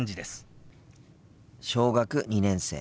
小学２年生。